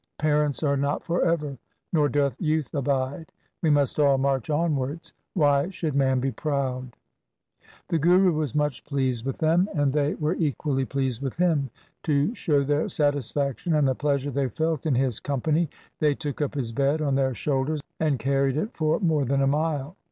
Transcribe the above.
Parents are not for ever, nor doth youth abide. We must all march onwards : why should man be proud ? The Guru was much pleased with them, and they 1 Suraj Parkash, Ayan 1, Chapter xviii. LIFE OF GURU GOBIND SINGH 219 were equally pleased with him. To show their satis faction and the pleasure they felt in his company, they took up his bed on their shoulders, and carried it for more than a mile.